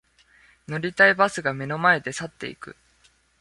乗りたいバスが目の前で去っていく